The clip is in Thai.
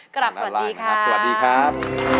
กลับสวัสดีครับ